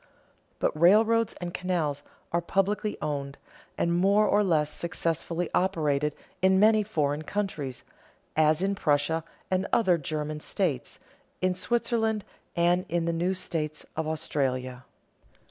But railroads and canals are publicly owned, and more or less successfully operated, in many foreign countries, as in Prussia and other German states, in Switzerland, and in the new states of Australia.